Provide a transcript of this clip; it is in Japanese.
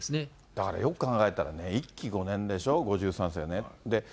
だからよく考えたらね、１期５年でしょ、５３世ね。